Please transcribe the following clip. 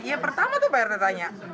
iya pertama tuh bayar tanya